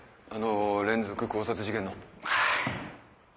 あの連続絞殺事件の。